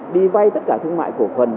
đi vay tất cả thương mại cổ phần